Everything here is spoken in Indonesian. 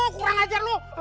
kurang ajar lo